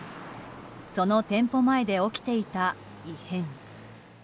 その店舗前で起きていた異変。